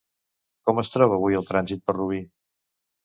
Com es troba avui el trànsit per Rubí?